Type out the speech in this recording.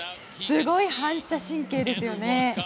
すごい反射神経ですよね。